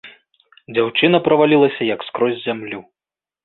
Дзяўчына правалілася як скрозь зямлю.